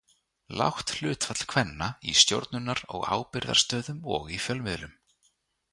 Lágt hlutfall kvenna í stjórnunar- og ábyrgðarstöðum og í fjölmiðlum.